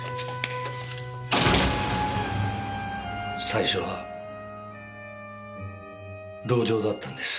最初は同情だったんです。